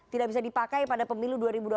tidak bisa dipakai pada pemilu dua ribu dua puluh